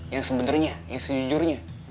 yang sebenernya yang sejujurnya